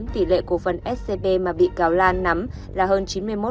tỷ lệ cổ phần scb mà bị cáo lan nắm là hơn chín mươi một